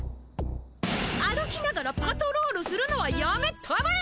歩きながらパトロールするのはやめたまえ！